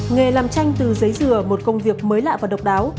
nghề làm tranh từ giấy dừa một công việc mới lạ và độc đáo